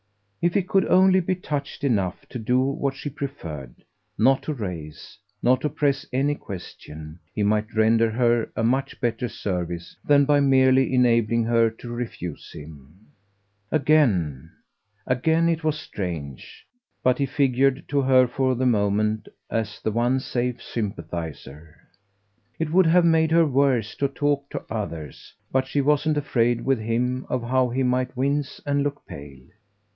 If he could only be touched enough to do what she preferred, not to raise, not to press any question, he might render her a much better service than by merely enabling her to refuse him. Again, again it was strange, but he figured to her for the moment as the one safe sympathiser. It would have made her worse to talk to others, but she wasn't afraid with him of how he might wince and look pale.